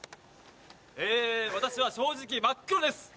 え私は正直真っ黒です。